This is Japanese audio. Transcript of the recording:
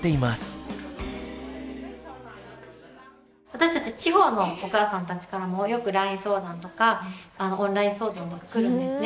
私たち地方のお母さんたちからもよくＬＩＮＥ相談とかオンライン相談とか来るんですね。